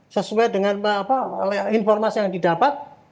sesuai dengan informasi yang didapat